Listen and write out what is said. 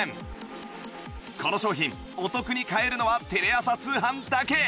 この商品お得に買えるのはテレ朝通販だけ